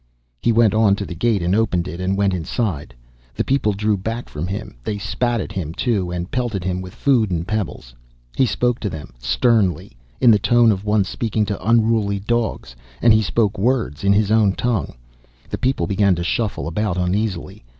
He went on to the gate and opened it and went inside. The people drew back from him. They spat at him, too, and pelted him with food and pebbles. He spoke to them, sternly, in the tone of one speaking to unruly dogs, and he spoke words, in his own tongue. The people began to shuffle about uneasily.